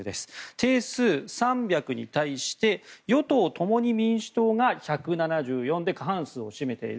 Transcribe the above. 定数３００に対して与党・共に民主党が１７４で過半数を占めている。